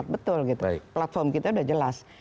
betul gitu platform kita udah jelas